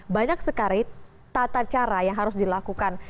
banyak sekali tata cara yang harus dilakukan